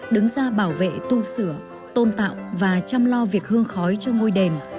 đứng ra bảo vệ tu sửa tôn tạo và chăm lo việc hương khói cho ngôi đền